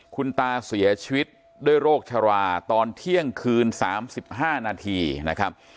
คุณตาเสียชีวิตด้วยโรคชราตอนเที่ยงคืน๓๕นาทีนะครับ